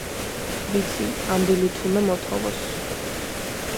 ვიცი, ამ დილით უნდა მოთოვოს,